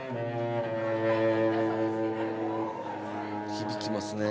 「響きますね」